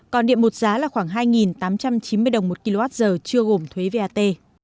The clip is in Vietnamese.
còn điện một giá là khoảng hai tám trăm chín mươi đồng một kwh chưa gồm thuế vat